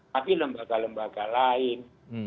tapi lembaga lembaga lain